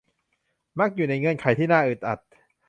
มักอยู่ในเงื่อนไขที่น่าอึดอัด